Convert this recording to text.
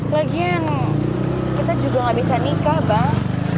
lagian kita juga gak bisa nikah bang